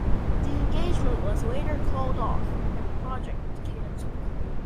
The engagement was later called off and the project was cancelled.